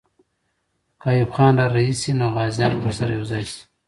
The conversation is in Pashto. که ایوب خان را رهي سي، نو غازیان به ورسره یو ځای سي.